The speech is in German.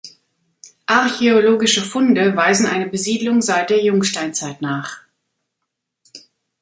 Archäologische Funde weisen eine Besiedlung seit der Jungsteinzeit nach.